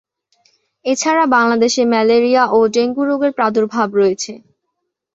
এছাড়া বাংলাদেশে ম্যালেরিয়া ও ডেঙ্গু রোগের প্রাদুর্ভাব রয়েছে।